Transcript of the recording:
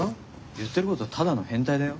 言ってることただの変態だよ。